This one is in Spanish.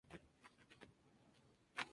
Por ejemplo, actuó en el Sex House.